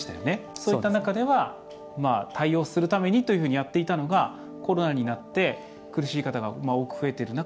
そういった中では対応するためにというふうにやっていたのが、コロナになって苦しい方が多く増えている中